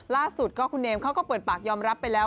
ล่าสุดก็คุณเนมเขาก็เปิดปากยอมรับไปแล้ว